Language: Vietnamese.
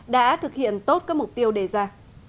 đã thực hiện tốt các mục tiêu đề ra